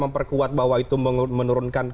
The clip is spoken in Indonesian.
memperkuat bahwa itu menurunkan